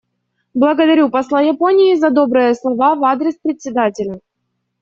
Благодарю посла Японии за добрые слова в адрес Председателя.